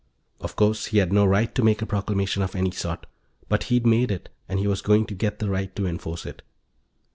Of course, he had no right to make a proclamation of any sort. But he'd made it, and he was going to get the right to enforce it.